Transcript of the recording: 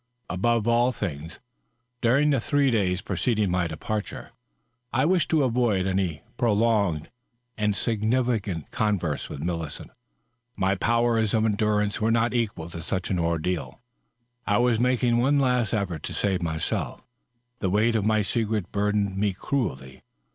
Above all things, during the three days preceding my departure, I wished to avoid any prolonged and significant converse with Millicent. My powers of endurance were not equal to such an ordeal. I was making one last effort to save myself; the weight of my secret burdened me cruelly.